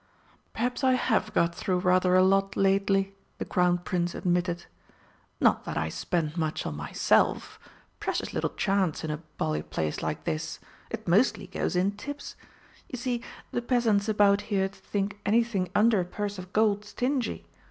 "Perhaps I have got through rather a lot lately," the Crown Prince admitted. "Not that I spend much on myself precious little chance in a bally place like this. It mostly goes in tips. You see, the peasants about here think anything under a purse of gold stingy.